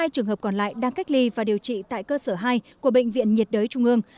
hai trường hợp còn lại đang cách ly và điều trị tại cơ sở hai của bệnh viện nhiệt đới trung ương